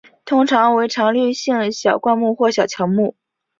通常为常绿性小灌木或小乔木。